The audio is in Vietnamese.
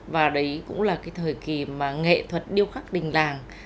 và đấy cũng là cái thời kỳ mà nghệ thuật điêu khắc đình làng